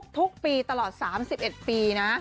ทุกปีตลอด๓๑ปีนะ